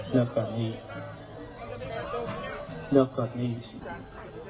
นักโมทรัพย์ภักวะโตอาระโตสัมมาสัมพุทธศาสตร์